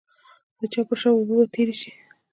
د چا پر شا به اوبه تېرې شي.